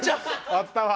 あったわ。